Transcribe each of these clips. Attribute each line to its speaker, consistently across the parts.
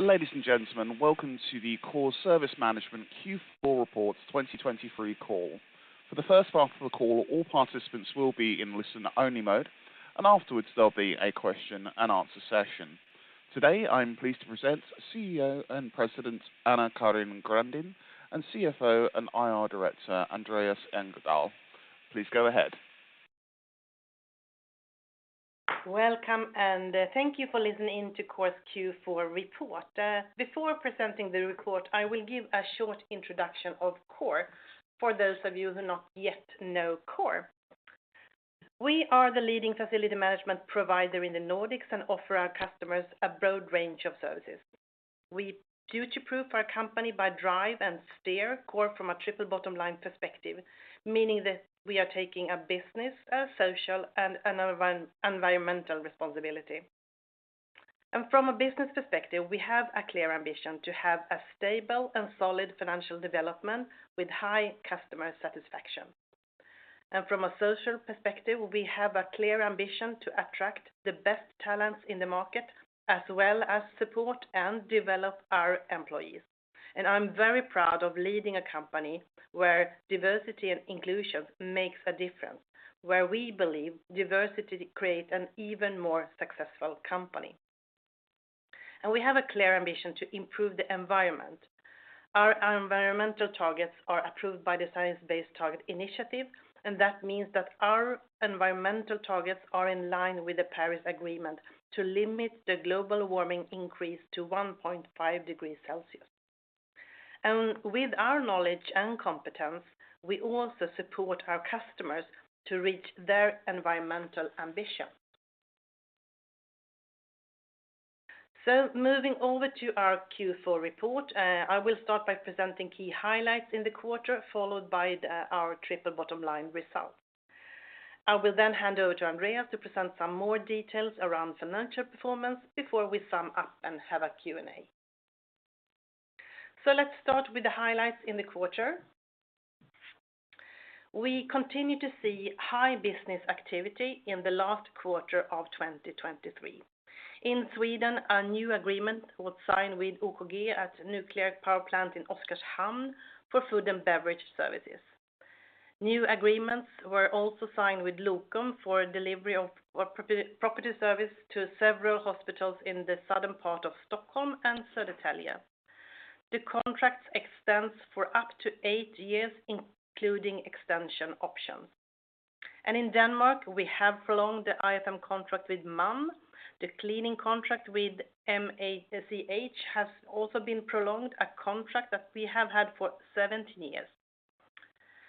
Speaker 1: Ladies and gentlemen, welcome to the Coor Service Management Q4 Report 2023 call. For the first part of the call, all participants will be in listen-only mode, and afterwards, there'll be a question and answer session. Today, I'm pleased to present CEO and President, AnnaCarin Grandin, and CFO and IR Director, Andreas Engdahl. Please go ahead.
Speaker 2: Welcome, and thank you for listening in to Coor's Q4 report. Before presenting the report, I will give a short introduction of Coor, for those of you who not yet know Coor. We are the leading facility management provider in the Nordics and offer our customers a broad range of services. We future-proof our company by drive and steer Coor from a triple bottom line perspective, meaning that we are taking a business, a social, and an environmental responsibility. From a business perspective, we have a clear ambition to have a stable and solid financial development with high customer satisfaction. From a social perspective, we have a clear ambition to attract the best talents in the market, as well as support and develop our employees. I'm very proud of leading a company where diversity and inclusion makes a difference, where we believe diversity create an even more successful company. We have a clear ambition to improve the environment. Our environmental targets are approved by the Science Based Targets initiative, and that means that our environmental targets are in line with the Paris Agreement to limit the global warming increase to 1.5 degrees Celsius. With our knowledge and competence, we also support our customers to reach their environmental ambition. Moving over to our Q4 report, I will start by presenting key highlights in the quarter, followed by our triple bottom line results. I will then hand over to Andreas to present some more details around financial performance before we sum up and have a Q&A. Let's start with the highlights in the quarter. We continue to see high business activity in the last quarter of 2023. In Sweden, a new agreement was signed with OKG at Nuclear Power Plant in Oskarshamn for food and beverage services. New agreements were also signed with Locum for delivery of property service to several hospitals in the southern part of Stockholm and Södertälje. The contracts extends for up to eight years, including extension options. In Denmark, we have prolonged the IFM contract with MAN. The cleaning contract with MACH has also been prolonged, a contract that we have had for 17 years.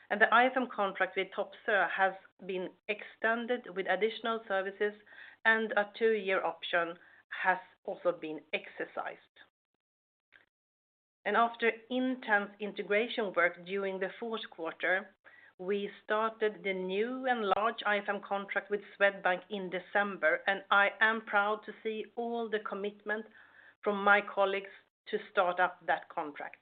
Speaker 2: The IFM contract with Topsøe has been extended with additional services, and a two-year option has also been exercised. After intense integration work during the fourth quarter, we started the new and large IFM contract with Swedbank in December, and I am proud to see all the commitment from my colleagues to start up that contract.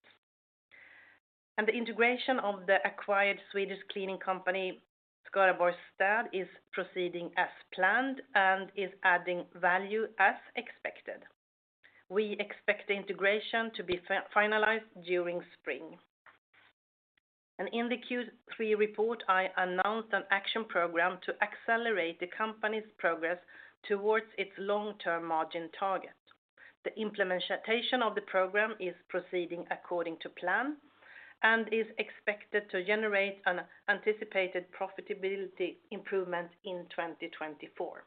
Speaker 2: The integration of the acquired Swedish cleaning company, Skaraborgs Städ, is proceeding as planned and is adding value as expected. We expect the integration to be finalized during spring. In the Q3 report, I announced an action program to accelerate the company's progress towards its long-term margin target. The implementation of the program is proceeding according to plan and is expected to generate an anticipated profitability improvement in 2024.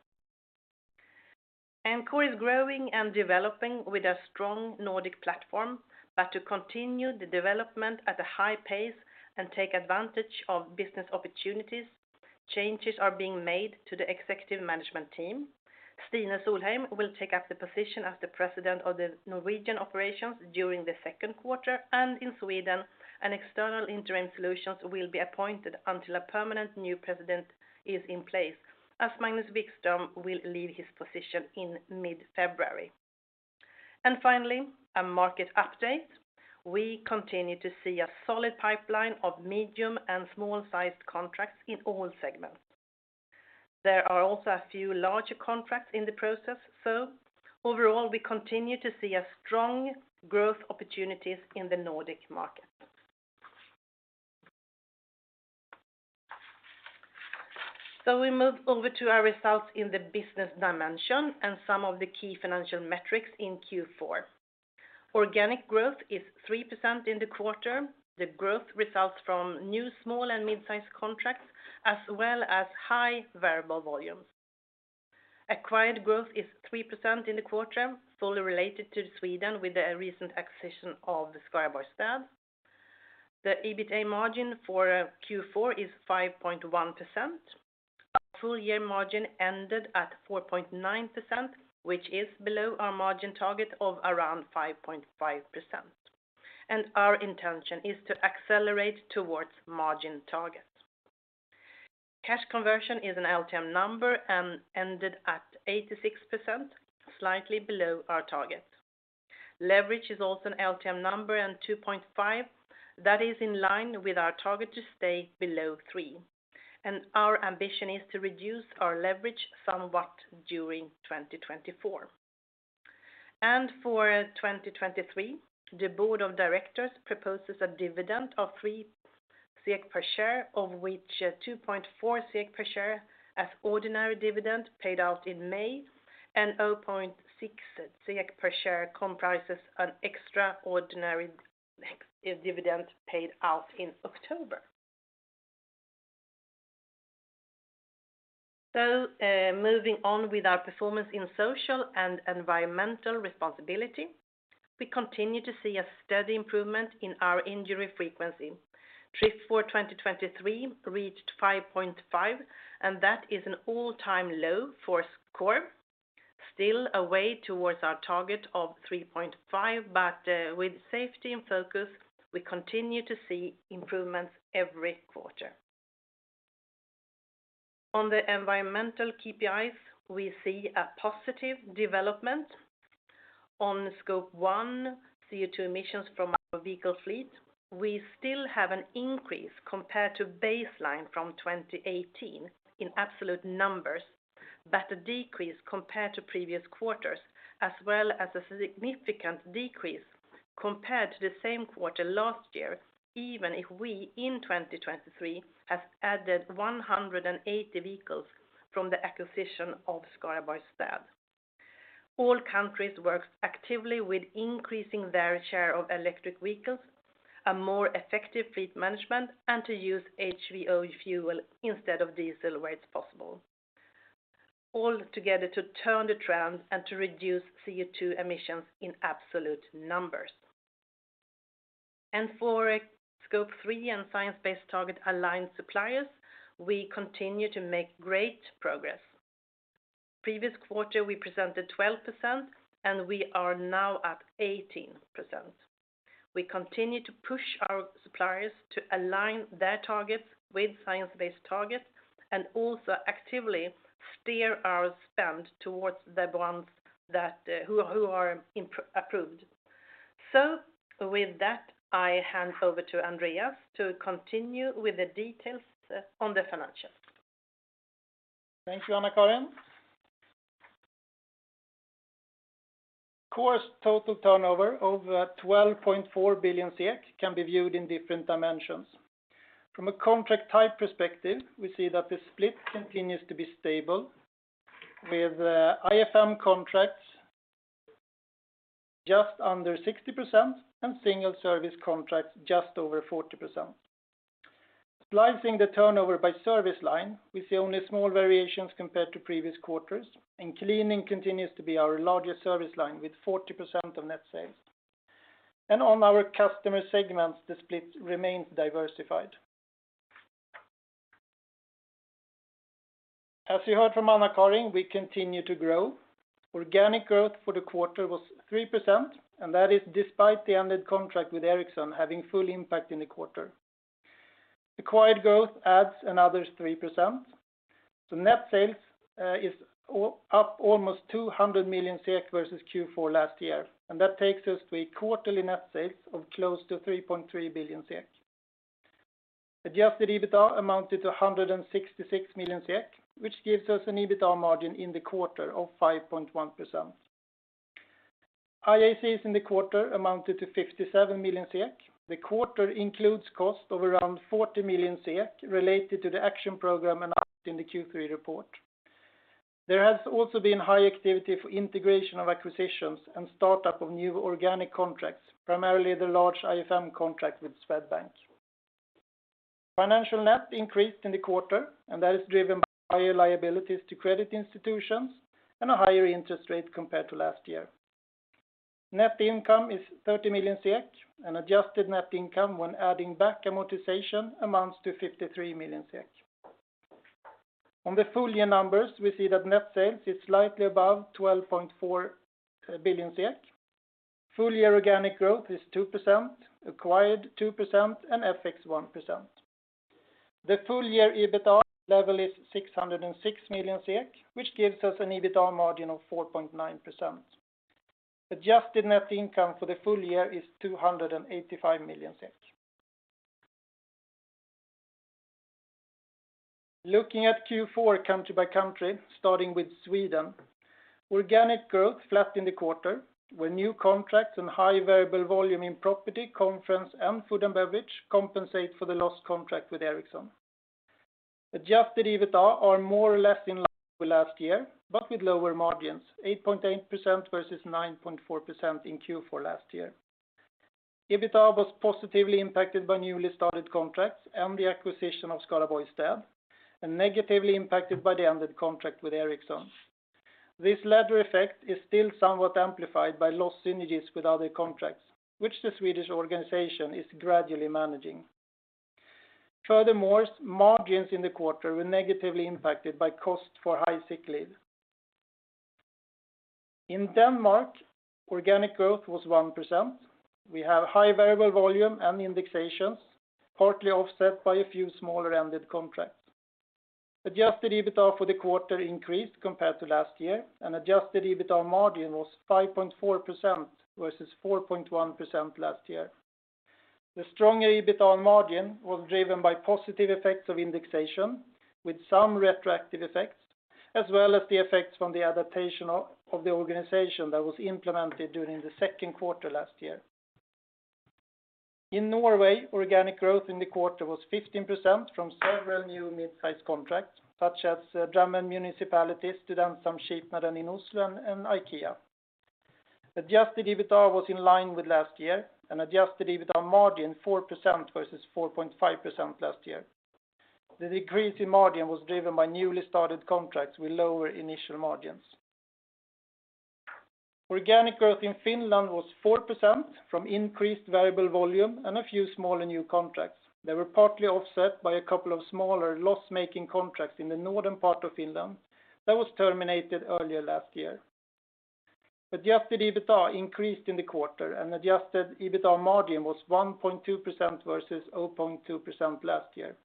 Speaker 2: Coor is growing and developing with a strong Nordic platform, but to continue the development at a high pace and take advantage of business opportunities, changes are being made to the executive management team. Stina Solheim will take up the position as the president of the Norwegian operations during the second quarter, and in Sweden, an external interim solutions will be appointed until a permanent new president is in place, as Magnus Wikström will leave his position in mid-February. Finally, a market update. We continue to see a solid pipeline of medium and small-sized contracts in all segments. There are also a few larger contracts in the process, so overall, we continue to see a strong growth opportunities in the Nordic market. So we move over to our results in the business dimension and some of the key financial metrics in Q4. Organic growth is 3% in the quarter. The growth results from new small and mid-sized contracts, as well as high variable volumes. Acquired growth is 3% in the quarter, fully related to Sweden with the recent acquisition of the Skaraborgs Städ. The EBITDA margin for Q4 is 5.1%. Our full-year margin ended at 4.9%, which is below our margin target of around 5.5%, and our intention is to accelerate towards margin target. Cash conversion is an LTM number and ended at 86%, slightly below our target. Leverage is also an LTM number and 2.5. That is in line with our target to stay below three. Our ambition is to reduce our leverage somewhat during 2024. For 2023, the board of directors proposes a dividend of 3 SEK per share, of which 2.4 SEK per share as ordinary dividend paid out in May, and 0.6 SEK per share comprises an extraordinary dividend paid out in October. Moving on with our performance in social and environmental responsibility, we continue to see a steady improvement in our injury frequency. TRIF for 2023 reached 5.5, and that is an all-time low for Coor. Still a way towards our target of 3.5, but with safety in focus, we continue to see improvements every quarter. On the environmental KPIs, we see a positive development. On scope one, CO₂ emissions from our vehicle fleet, we still have an increase compared to baseline from 2018 in absolute numbers, but a decrease compared to previous quarters, as well as a significant decrease compared to the same quarter last year, even if we, in 2023, have added 180 vehicles from the acquisition of Skaraborgs Städ. All countries works actively with increasing their share of electric vehicles, a more effective fleet management, and to use HVO fuel instead of diesel where it's possible. All together to turn the trend and to reduce CO₂ emissions in absolute numbers. For scope three and science-based target aligned suppliers, we continue to make great progress. Previous quarter, we presented 12%, and we are now at 18%. We continue to push our suppliers to align their targets with Science-Based Targets and also actively steer our spend towards the ones that are SBTi-approved. So with that, I hand over to Andreas to continue with the details on the financials.
Speaker 3: Thank you, AnnaCarin. Coor's total turnover of 12.4 billion can be viewed in different dimensions. From a contract type perspective, we see that the split continues to be stable, with IFM contracts just under 60% and single service contracts just over 40%. Slicing the turnover by service line, we see only small variations compared to previous quarters, and cleaning continues to be our largest service line, with 40% of net sales. On our customer segments, the split remains diversified. As you heard from AnnaCarin, we continue to grow. Organic growth for the quarter was 3%, and that is despite the ended contract with Ericsson having full impact in the quarter. Acquired growth adds another 3%. Net sales is up almost 200 million SEK versus Q4 last year, and that takes us to a quarterly net sales of close to 3.3 billion SEK. Adjusted EBITDA amounted to 166 million SEK, which gives us an EBITDA margin in the quarter of 5.1%. IACs in the quarter amounted to 57 million SEK. The quarter includes cost of around 40 million SEK related to the action program announced in the Q3 report. There has also been high activity for integration of acquisitions and startup of new organic contracts, primarily the large IFM contract with Swedbank. Financial net increased in the quarter, and that is driven by higher liabilities to credit institutions and a higher interest rate compared to last year. Net income is 30 million SEK, and adjusted net income when adding back amortization amounts to 53 million SEK. On the full-year numbers, we see that net sales is slightly above 12.4 billion SEK. Full-year organic growth is 2%, acquired 2%, and FX 1%. The full year EBITDA level is 606 million SEK, which gives us an EBITDA margin of 4.9%. Adjusted net income for the full-year is 285 million SEK. Looking at Q4 country by country, starting with Sweden, organic growth flat in the quarter, where new contracts and high variable volume in property, conference, and food and beverage compensate for the lost contract with Ericsson. Adjusted EBITDA are more or less in line with last year, but with lower margins, 8.8% versus 9.4% in Q4 last year. EBITDA was positively impacted by newly started contracts and the acquisition of Skaraborgs Städ, and negatively impacted by the ended contract with Ericsson. This latter effect is still somewhat amplified by lost synergies with other contracts, which the Swedish organization is gradually managing. Furthermore, margins in the quarter were negatively impacted by cost for high sick leave. In Denmark, organic growth was 1%. We have high variable volume and indexations, partly offset by a few smaller ended contracts. Adjusted EBITDA for the quarter increased compared to last year, and adjusted EBITDA margin was 5.4% versus 4.1% last year. The stronger EBITDA margin was driven by positive effects of indexation, with some retroactive effects, as well as the effects from the adaptation of the organization that was implemented during the second quarter last year. In Norway, organic growth in the quarter was 15% from several new mid-size contracts, such as Drammen Municipality, Studentsamskipnaden i Oslo, and IKEA. Adjusted EBITDA was in line with last year, and adjusted EBITDA margin 4% versus 4.5% last year. The decrease in margin was driven by newly started contracts with lower initial margins. Organic growth in Finland was 4% from increased variable volume and a few small and new contracts. They were partly offset by a couple of smaller loss-making contracts in the northern part of Finland that was terminated earlier last year. Adjusted EBITDA increased in the quarter, and adjusted EBITDA margin was 1.2% versus 0.2% last year.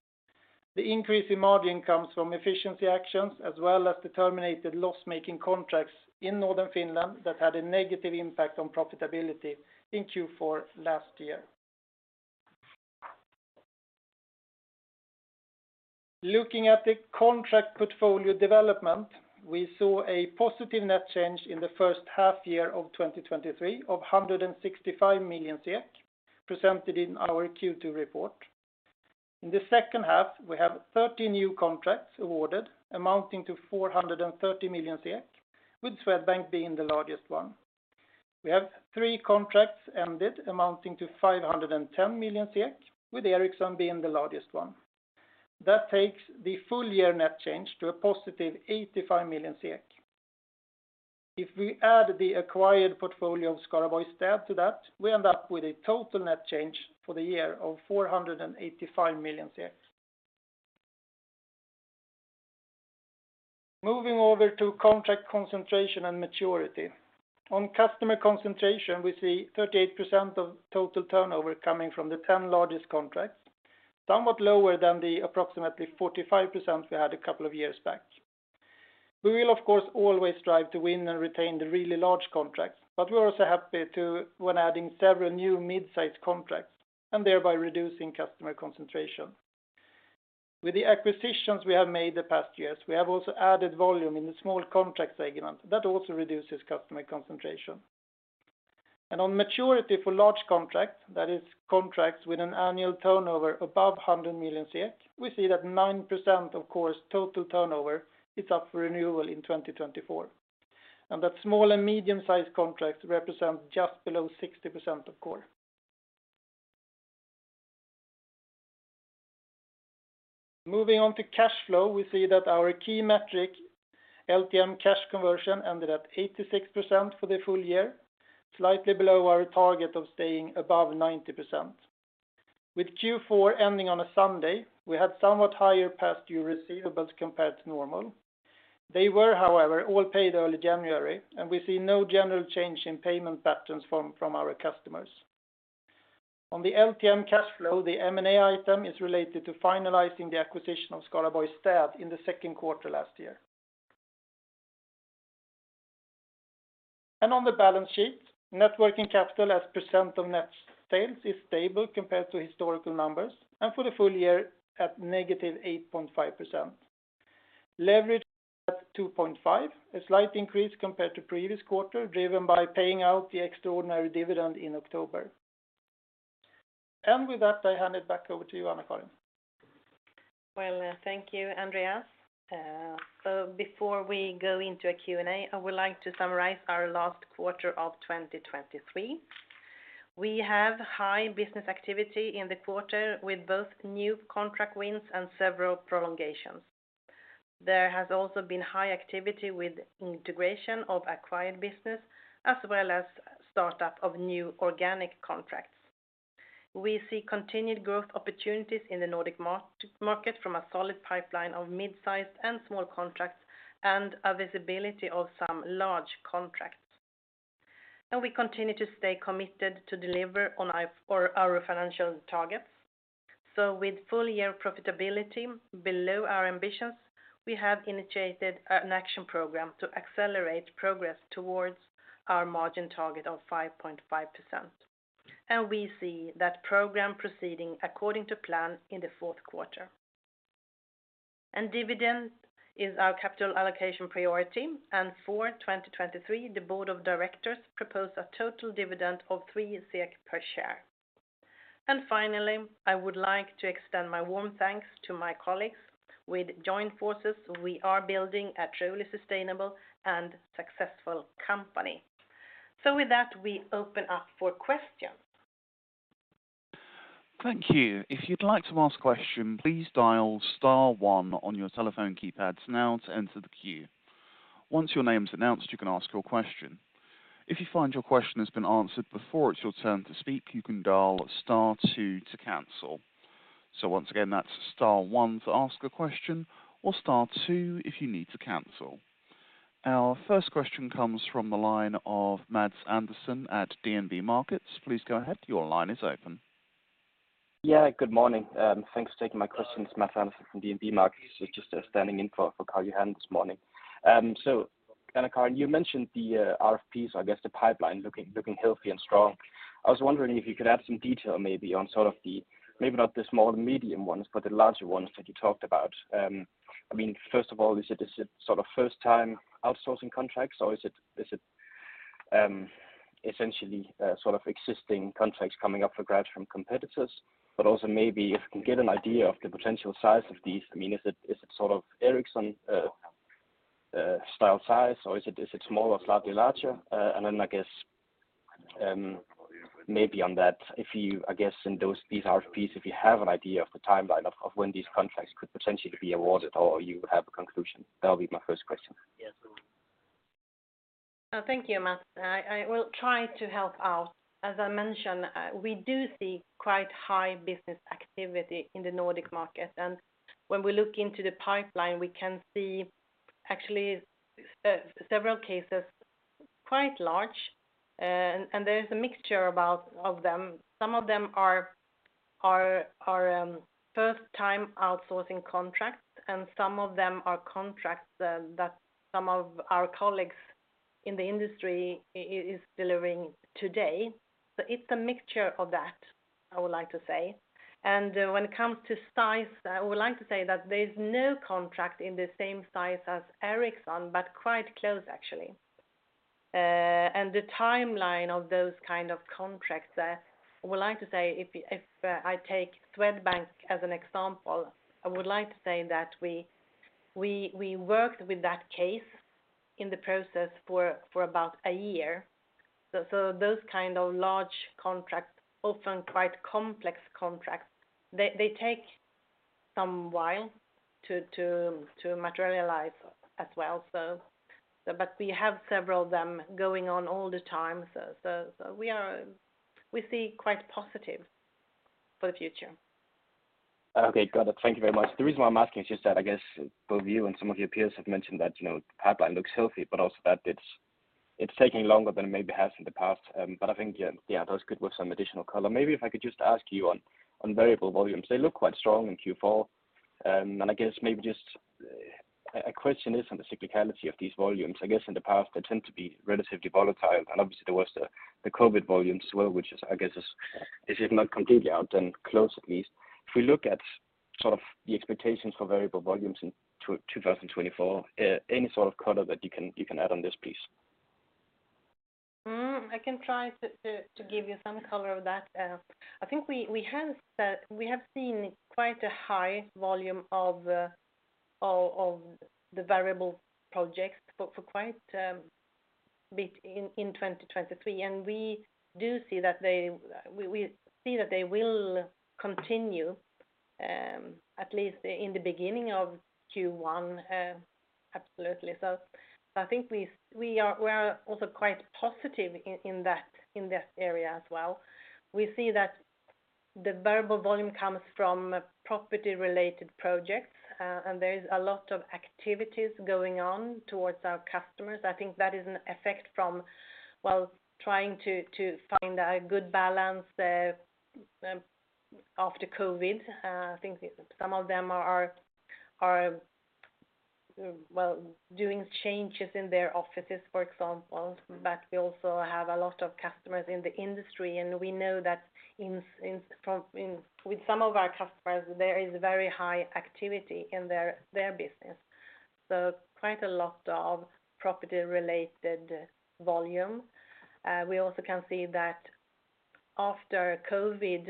Speaker 3: The increase in margin comes from efficiency actions, as well as the terminated loss-making contracts in Northern Finland that had a negative impact on profitability in Q4 last year. Looking at the contract portfolio development, we saw a positive net change in the first half year of 2023, of 165 million, presented in our Q2 report. In the second half, we have 30 new contracts awarded, amounting to 430 million, with Swedbank being the largest one. We have three contracts ended, amounting to 510 million SEK, with Ericsson being the largest one. That takes the full-year net change to a positive 85 million SEK. If we add the acquired portfolio of Skaraborgs Städ to that, we end up with a total net change for the year of 485 million. Moving over to contract concentration and maturity. On customer concentration, we see 38% of total turnover coming from the 10 largest contracts, somewhat lower than the approximately 45% we had a couple of years back. We will, of course, always strive to win and retain the really large contracts, but we're also happy to, when adding several new mid-size contracts and thereby reducing customer concentration. With the acquisitions we have made the past years, we have also added volume in the small contracts segment. That also reduces customer concentration. On maturity for large contracts, that is contracts with an annual turnover above 100 million, we see that 9%, of course, total turnover is up for renewal in 2024, and that small and medium-sized contracts represent just below 60%, of course. Moving on to cash flow, we see that our key metric, LTM cash conversion, ended at 86% for the full year, slightly below our target of staying above 90%. With Q4 ending on a Sunday, we had somewhat higher past due receivables compared to normal. They were, however, all paid early January, and we see no general change in payment patterns from our customers. On the LTM cash flow, the M&A item is related to finalizing the acquisition of Skaraborgs Städ in the second quarter last year. And on the balance sheet, net working capital as percent of net sales is stable compared to historical numbers, and for the full-year at -8.5%. Leverage at 2.5, a slight increase compared to previous quarter, driven by paying out the extraordinary dividend in October. And with that, I hand it back over to you, AnnaCarin.
Speaker 2: Well, thank you, Andreas. So before we go into a Q&A, I would like to summarize our last quarter of 2023. We have high business activity in the quarter, with both new contract wins and several prolongations. There has also been high activity with integration of acquired business, as well as startup of new organic contracts. We see continued growth opportunities in the Nordic market from a solid pipeline of mid-sized and small contracts and a visibility of some large contracts. And we continue to stay committed to deliver on our, for our financial targets. So with full-year profitability below our ambitions, we have initiated an action program to accelerate progress towards our margin target of 5.5%, and we see that program proceeding according to plan in the fourth quarter. Dividend is our capital allocation priority, and for 2023, the board of directors proposed a total dividend of 3 SEK per share. And finally, I would like to extend my warm thanks to my colleagues. With joint forces, we are building a truly sustainable and successful company. So with that, we open up for questions.
Speaker 1: Thank you. If you'd like to ask a question, please dial star one on your telephone keypads now to enter the queue. Once your name's announced, you can ask your question. If you find your question has been answered before it's your turn to speak, you can dial star two to cancel. So once again, that's star one to ask a question or star two if you need to cancel. Our first question comes from the line of Mads Andersen at DNB Markets. Please go ahead. Your line is open.
Speaker 4: .eah, good morning. Thanks for taking my questions, Mads Andersen from DNB Markets. Just standing in for Karl-Johan this morning. So AnnaCarin, you mentioned the RFPs, I guess, the pipeline looking healthy and strong. I was wondering if you could add some detail maybe on sort of the, maybe not the small and medium ones, but the larger ones that you talked about. I mean, first of all, is it sort of first-time outsourcing contracts, or is it essentially sort of existing contracts coming up for grabs from competitors? But also maybe if we can get an idea of the potential size of these. I mean, is it sort of Ericsson style size, or is it smaller, slightly larger? Then I guess, maybe on that, if you, I guess, in those RFPs, if you have an idea of the timeline of when these contracts could potentially be awarded or you have a conclusion. That'll be my first question.
Speaker 2: Thank you, Mads. I will try to help out. As I mentioned, we do see quite high business activity in the Nordic market. When we look into the pipeline, we can see actually several cases quite large, and there is a mixture about of them. Some of them are first-time outsourcing contracts, and some of them are contracts that some of our colleagues in the industry is delivering today. So it's a mixture of that, I would like to say. When it comes to size, I would like to say that there's no contract in the same size as Ericsson, but quite close, actually. And the timeline of those kind of contracts, I would like to say, if I take Swedbank as an example, I would like to say that we worked with that case in the process for about a year. So those kind of large contracts, often quite complex contracts, they take some while to materialize as well. So we are, we see quite positive for the future.
Speaker 4: Okay, got it. Thank you very much. The reason why I'm asking is just that I guess both you and some of your peers have mentioned that, you know, the pipeline looks healthy, but also that it's taking longer than it maybe has in the past. But I think, yeah, those could work some additional color. Maybe if I could just ask you on variable volumes, they look quite strong in Q4. And I guess maybe just a question is on the cyclicality of these volumes. I guess in the past, they tend to be relatively volatile, and obviously, there was the COVID volumes as well, which, I guess, is if not completely out, then close at least. If we look at sort of the expectations for variable volumes in 2024, any sort of color that you can add on this, please?
Speaker 2: I can try to give you some color of that. I think we have seen quite a high volume of the variable projects for quite a bit in 2023, and we do see that they, we see that they will continue at least in the beginning of Q1, absolutely. So I think we are also quite positive in that area as well. We see that the variable volume comes from property-related projects, and there is a lot of activities going on towards our customers. I think that is an effect from well, trying to find a good balance after COVID. I think some of them are well doing changes in their offices, for example, but we also have a lot of customers in the industry, and we know that in, in, from, in, with some of our customers, there is very high activity in their business. So quite a lot of property-related volume. We also can see that after COVID,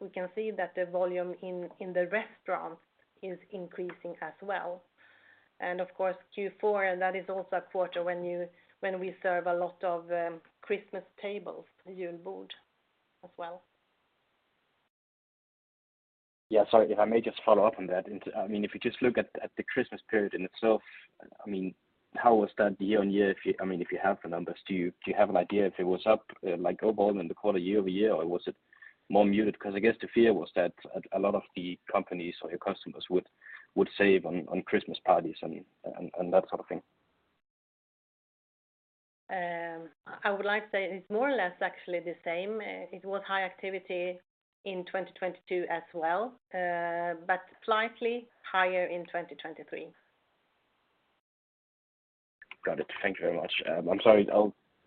Speaker 2: we can see that the volume in the restaurants is increasing as well. And of course, Q4, and that is also a quarter when we serve a lot of Christmas tables, julbord, as well.
Speaker 4: Yeah, sorry, if I may just follow up on that. I mean, if you just look at the Christmas period in itself, I mean, how was that year-on-year, if you, I mean, if you have the numbers, do you have an idea if it was up, like overall in the quarter, year-over-year, or was it more muted? Because I guess the fear was that a lot of the companies or your customers would save on Christmas parties and that sort of thing.
Speaker 2: I would like to say it's more or less actually the same. It was high activity in 2022 as well, but slightly higher in 2023.
Speaker 4: Got it. Thank you very much. I'm sorry.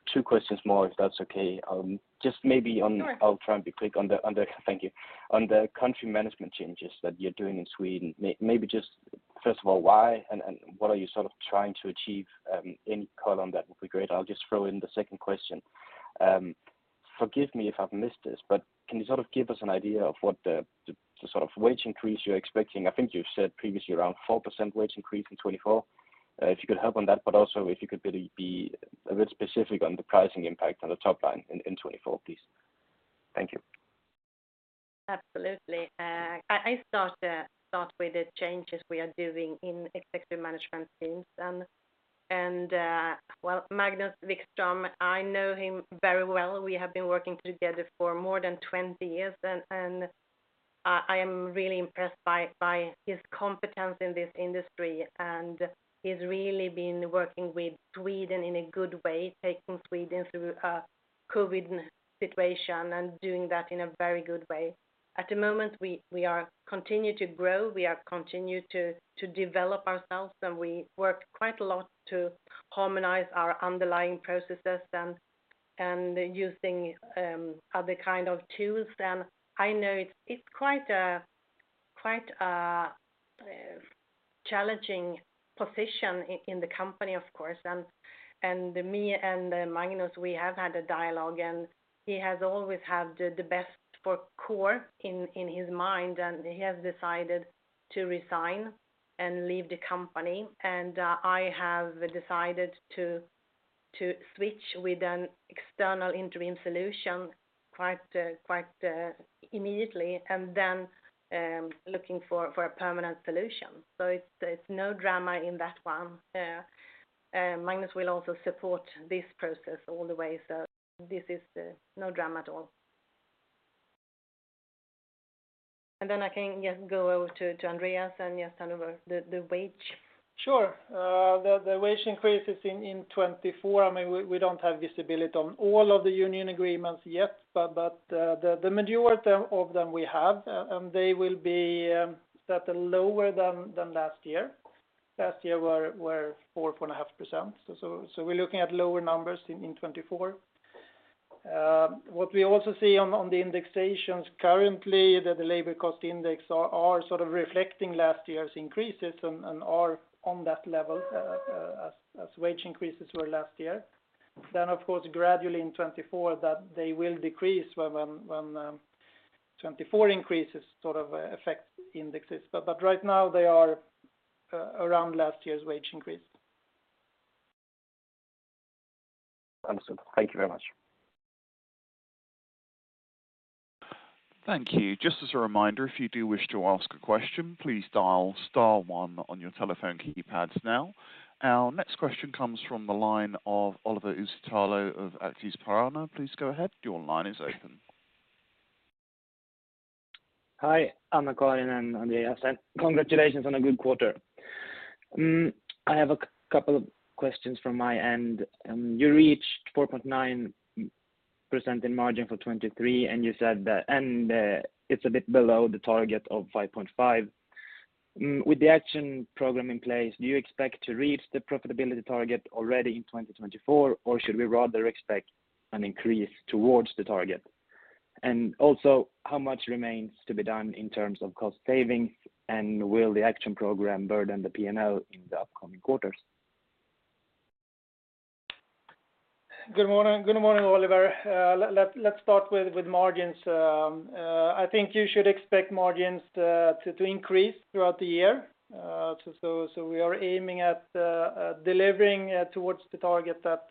Speaker 4: I'll two questions more, if that's okay. Just maybe on
Speaker 2: Sure.
Speaker 4: I'll try and be quick on the-- thank you. On the country management changes that you're doing in Sweden, maybe just first of all, why and what are you sort of trying to achieve? Any color on that would be great. I'll just throw in the second question. Forgive me if I've missed this, but can you sort of give us an idea of what the sort of wage increase you're expecting? I think you've said previously around 4% wage increase in 2024. If you could help on that, but also if you could be a bit specific on the pricing impact on the top line in 2024, please. Thank you.
Speaker 2: Absolutely. I start with the changes we are doing in executive management teams. Well, Magnus Wikström, I know him very well. We have been working together for more than 20 years, and I am really impressed by his competence in this industry, and he's really been working with Sweden in a good way, taking Sweden through a COVID situation and doing that in a very good way. At the moment, we are continue to grow, we are continue to develop ourselves, and we work quite a lot to harmonize our underlying processes and using other kind of tools. Then I know it's quite a challenging position in the company, of course, and me and Magnus, we have had a dialogue, and he has always had the best for Coor in his mind, and he has decided to resign and leave the company. And I have decided to switch with an external interim solution quite immediately, and then looking for a permanent solution. So it's no drama in that one. Magnus will also support this process all the way, so this is no drama at all. And then I can just go over to Andreas, and just handle the wage.
Speaker 3: Sure. The wage increases in 2024, I mean, we don't have visibility on all of the union agreements yet, but the majority of them we have, and they will be set lower than last year. Last year were 4%-4.5%. So we're looking at lower numbers in 2024. What we also see on the indexations currently, that the labor cost index are sort of reflecting last year's increases and are on that level, as wage increases were last year. Then, of course, gradually in 2024, that they will decrease when 2024 increases sort of affect indexes. But right now, they are around last year's wage increase.
Speaker 4: Understood. Thank you very much.
Speaker 1: Thank you. Just as a reminder, if you do wish to ask a question, please dial star one on your telephone keypads now. Our next question comes from the line of Oliver Uusitalo of Aktiespararna. Please go ahead. Your line is open.
Speaker 5: Hi, I'm calling in, and Andreas, congratulations on a good quarter. I have a couple of questions from my end. You reached 4.9% in margin for 2023, and you said that and it's a bit below the target of 5.5%. With the action program in place, do you expect to reach the profitability target already in 2024, or should we rather expect an increase towards the target? And also, how much remains to be done in terms of cost savings, and will the action program burden the P&L in the upcoming quarters?
Speaker 3: Good morning. Good morning, Oliver. Let's start with margins. I think you should expect margins to increase throughout the year. So we are aiming at delivering towards the target at,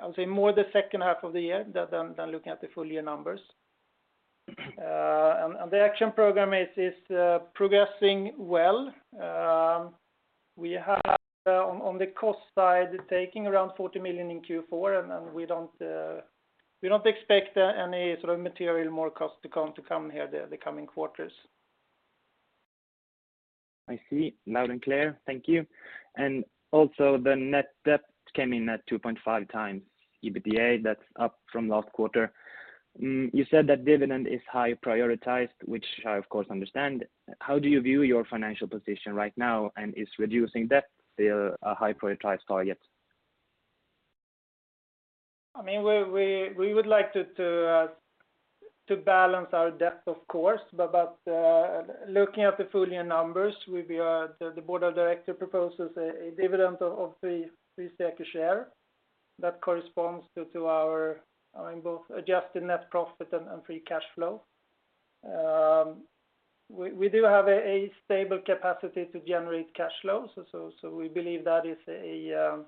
Speaker 3: I would say, more the second half of the year than looking at the full year numbers. And the action program is progressing well. We have, on the cost side, taking around 40 million in Q4, and then we don't expect any sort of material more cost to come here the coming quarters.
Speaker 5: I see. Loud and clear. Thank you. Also, the net debt came in at 2.5x EBITDA, that's up from last quarter. You said that dividend is highly prioritized, which I, of course, understand. How do you view your financial position right now, and is reducing debt still a highly prioritized target?
Speaker 3: I mean, we would like to balance our debt, of course, but looking at the full year numbers, we are—the board of directors proposes a dividend of 3 SEK per share. That corresponds to our both adjusted net profit and free cash flow. We do have a stable capacity to generate cash flow, so we believe that is a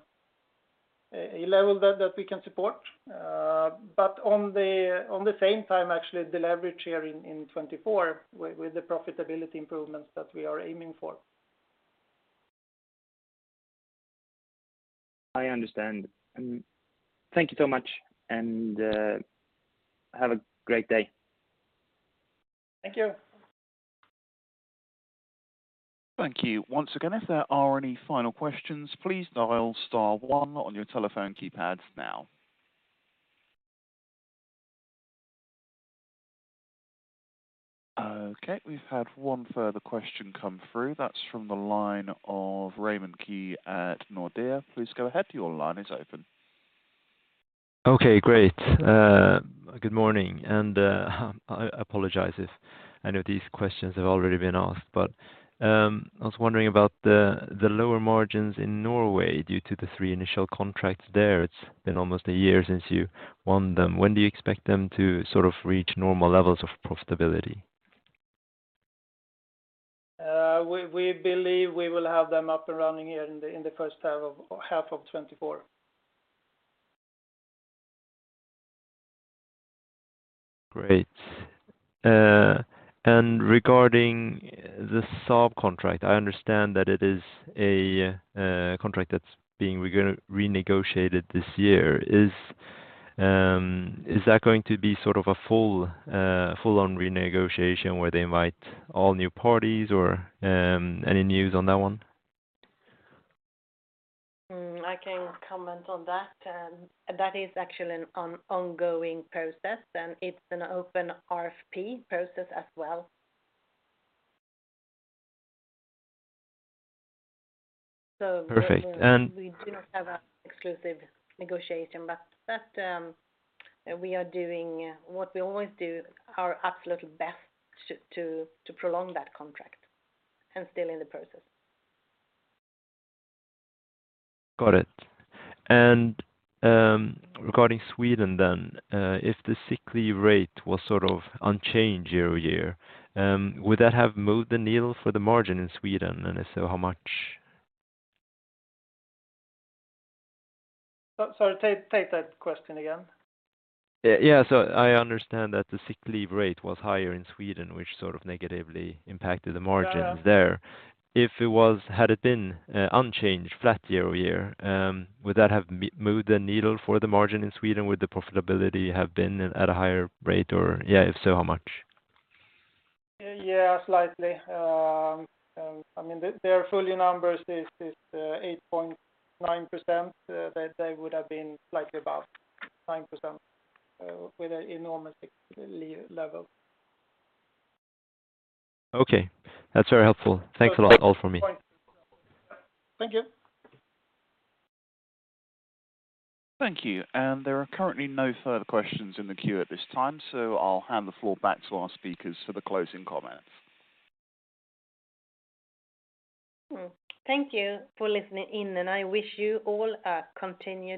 Speaker 3: level that we can support. But at the same time, actually, the leverage here in 2024 with the profitability improvements that we are aiming for.
Speaker 5: I understand. Thank you so much, and have a great day.
Speaker 3: Thank you.
Speaker 1: Thank you. Once again, if there are any final questions, please dial star one on your telephone keypads now. Okay, we've had one further question come through. That's from the line of Raymond Ke at Nordea. Please go ahead. Your line is open.
Speaker 6: Okay, great. Good morning, and I apologize if any of these questions have already been asked, but I was wondering about the lower margins in Norway due to the three initial contracts there. It's been almost a year since you won them. When do you expect them to sort of reach normal levels of profitability?
Speaker 3: We believe we will have them up and running here in the first half of 2024.
Speaker 6: Great. And regarding the Saab contract, I understand that it is a contract that's being renegotiated this year. Is Is that going to be sort of a full, full-on renegotiation where they invite all new parties or, any news on that one?
Speaker 2: I can comment on that. That is actually an ongoing process, and it's an open RFP process as well. So
Speaker 6: Perfect, and
Speaker 2: We do not have an exclusive negotiation, but we are doing what we always do, our absolute best to prolong that contract and still in the process.
Speaker 6: Got it. Regarding Sweden then, if the sick leave rate was sort of unchanged year-over-year, would that have moved the needle for the margin in Sweden? And if so, how much?
Speaker 3: So, sorry, take that question again.
Speaker 6: Yeah, so I understand that the sick leave rate was higher in Sweden, which sort of negatively impacted the margin there.
Speaker 3: Yeah, yeah.
Speaker 6: If it had been unchanged, flat year-over-year, would that have moved the needle for the margin in Sweden? Would the profitability have been at a higher rate or, yeah, if so, how much?
Speaker 3: Yeah, slightly. I mean, their full year numbers is 8.9%, that they would have been slightly above 9%, with an enormous sick leave level.
Speaker 6: Okay. That's very helpful. Thanks a lot. All from me.
Speaker 3: Thank you.
Speaker 1: Thank you. There are currently no further questions in the queue at this time, so I'll hand the floor back to our speakers for the closing comments.
Speaker 2: Mm. Thank you for listening in, and I wish you all a continued day.